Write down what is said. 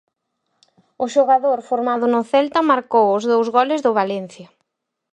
O xogador formado no Celta marcou os dous goles do Valencia.